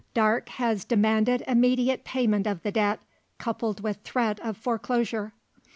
Darke has demanded immediate payment of the debt, coupled with threat of foreclosure.